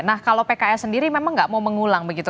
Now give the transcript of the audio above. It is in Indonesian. nah kalau pks sendiri memang nggak mau mengulang begitu